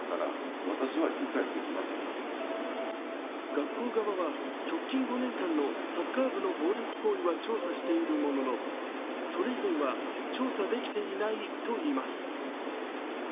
学校側は、直近５年間のサッカー部の暴力行為は調査しているものの、それ以前は調査できていないといいます。